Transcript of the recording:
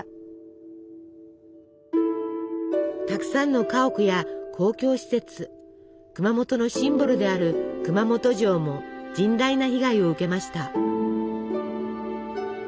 たくさんの家屋や公共施設熊本のシンボルである熊本城も甚大な被害を受けました。